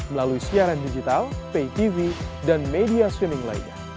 melalui siaran digital pay tv dan media swining lainnya